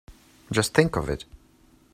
Just think of it!